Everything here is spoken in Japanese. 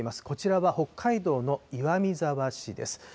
こちらは北海道の岩見沢市です。